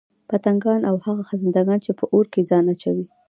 پتنگان او هغه خزندګان چې په اور كي ځان اچوي